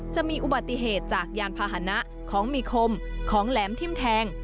จะมีอุบัติเหตุจากยานพาหนะของมีคมของแหลมทิ้มแทง